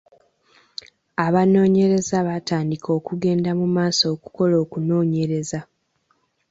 Abanoonyereza baatandika okugenda mu masomero okukola okunoonyereza.